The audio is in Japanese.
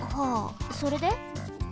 はあそれで？